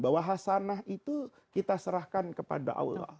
bahwa hasanah itu kita serahkan kepada allah